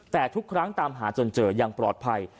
แต่ทุกครั้งตามหาจนเจอยังปลอดภัย